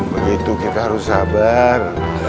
begitu kita harus sabar